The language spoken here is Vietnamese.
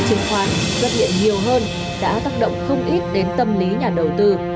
chứng khoán xuất hiện nhiều hơn đã tác động không ít đến tâm lý nhà đầu tư